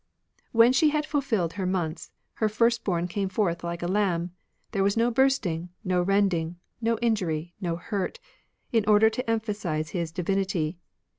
When she had fulfilled her months, Her firstborn came forth like a lamb. There was no bursting, no rending. No injury, no hurt. In order to emphasise his divinity.